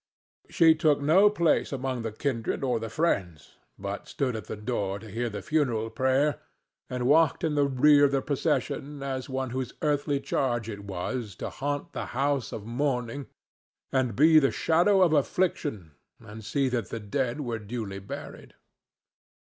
She took no place among the kindred or the friends, but stood at the door to hear the funeral prayer, and walked in the rear of the procession as one whose earthly charge it was to haunt the house of mourning and be the shadow of affliction and see that the dead were duly buried.